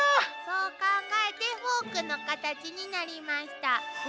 そう考えてフォークのカタチになりました。